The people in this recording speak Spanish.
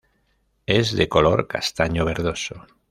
Es de color castaño verdoso.